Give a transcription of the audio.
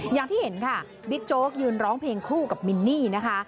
อย่างที่เห็นค่ะบิ๊กโจ๊กยืนร้องเพลงคู่กับมินนี่นะคะ